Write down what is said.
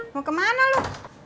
mau kemana lu